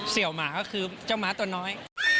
ี่ยวหมาก็คือเจ้าม้าตัวน้อย